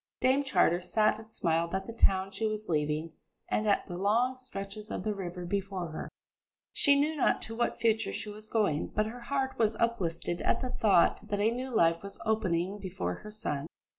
Dame Charter sat and smiled at the town she was leaving and at the long stretches of the river before her. She knew not to what future she was going, but her heart was uplifted at the thought that a new life was opening before her son.